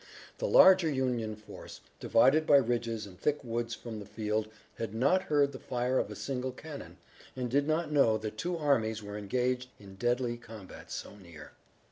The larger Union force, divided by ridges and thick woods from the field, had not heard the fire of a single cannon, and did not know that two armies were engaged in deadly combat so near.